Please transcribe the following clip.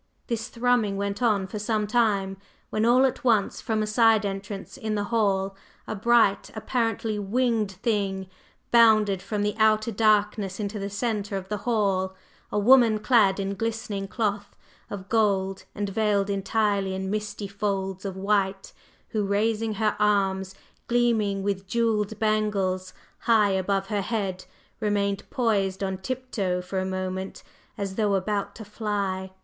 This thrumming went on for some time when all at once from a side entrance in the hall a bright, apparently winged thing bounded from the outer darkness into the centre of the hall, a woman clad in glistening cloth of gold and veiled entirely in misty folds of white, who, raising her arms gleaming with jewelled bangles high above her head, remained poised on tiptoe for a moment, as though about to fly.